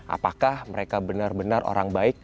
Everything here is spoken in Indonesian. apakah mereka benar benar orang baik